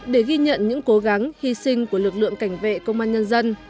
để ghi nhận những cố gắng hy sinh của lực lượng cảnh vệ công an nhân dân